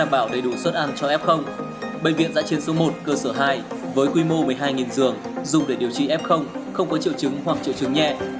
bệnh viện giã chiến số một cơ sở hai với quy mô một mươi hai giường dùng để điều trị f không có triệu chứng hoặc triệu chứng nhẹ